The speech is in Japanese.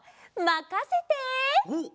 まかせて！